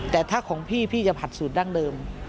แต่ถ้าของพี่พี่จะผัดสูตรดั้งเดิม